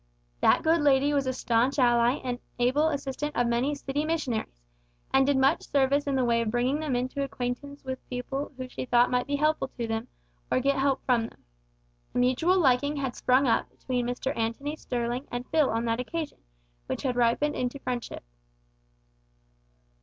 That good lady was a staunch ally and able assistant of many city missionaries, and did much service in the way of bringing them into acquaintance with people who she thought might be helpful to them, or get help from them. A mutual liking had sprung up between Mr Antony Sterling and Phil on that occasion, which had ripened into friendship.